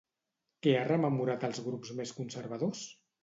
Què ha rememorat als grups més conservadors?